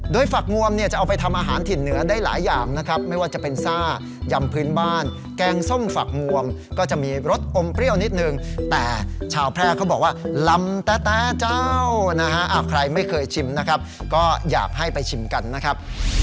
โดยฝักงวมเนี่ยจะเอาไปทำอาหารถิ่นเหนือได้หลายอย่างนะครับไม่ว่าจะเป็นซ่ายำพื้นบ้านแกงส้มฝักงวมก็จะมีรสอมเปรี้ยวนิดนึงแต่ชาวแพร่เขาบอกว่าลำแต๊ะเจ้านะฮะใครไม่เคยชิมนะครับก็อยากให้ไปชิมกันนะครับ